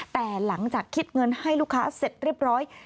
แต่หลังจากคิดเงินให้ลูกค้าเสร็จเรียบร้อย